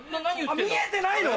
見えてないの？